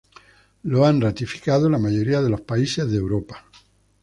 Lo han ratificado la mayoría de los países de Europa.